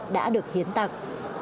đã được hiến tặng